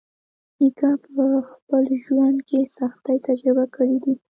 نیکه په خپل ژوند کې سختۍ تجربه کړې دي.